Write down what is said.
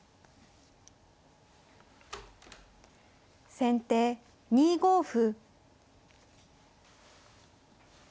先手２五歩。